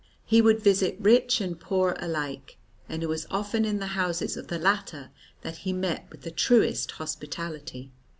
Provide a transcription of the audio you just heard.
He would visit rich and poor alike, and it was often in the houses of the latter that he met with the truest hospitality.